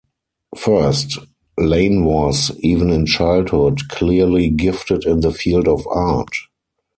First, Lane was, even in childhood, clearly gifted in the field of art.